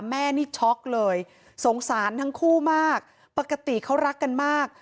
แม่นี่ช็อกเลยสงสารทั้งคู่มากปกติเขารักกันมาก